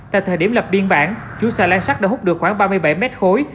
tại thời điểm lập biên bản chú xà lan sát đã hút được khoảng ba mươi bảy mét khối